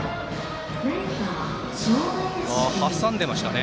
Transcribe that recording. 挟んでましたね。